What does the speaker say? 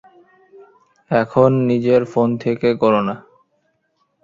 এখন নিজের ফোন থেকে করো না।